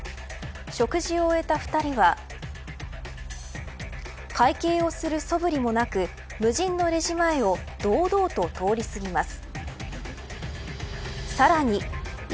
食事を終えた２人は会計をするそぶりもなく無人のレジ前を堂々と通り過ぎます。